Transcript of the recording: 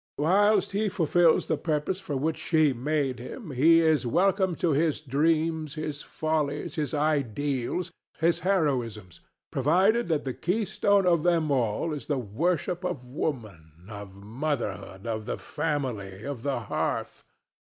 Whilst he fulfils the purpose for which she made him, he is welcome to his dreams, his follies, his ideals, his heroisms, provided that the keystone of them all is the worship of woman, of motherhood, of the family, of the hearth.